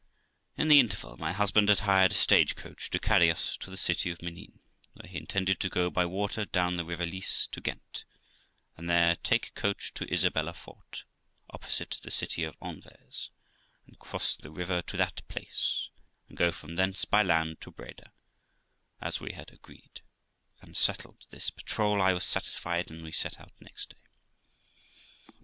In the interval, my husband had hired a stage coach to carry us to the city of Menin, where he intended to go by water down the river Lys to Ghent, and there take coach to Isabella fort, opposite the city of Anvers, and cross the river to that place, and go from thence by land to Breda j and as he had agreed and settled this patrol, I was satisfied, and we set out next day.